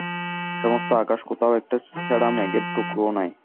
সমস্ত আকাশে কোথাও একটা ছেঁড়া মেঘের টুকরোও নাই।